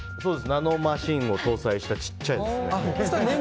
ナノマシンを搭載した小さいやつ。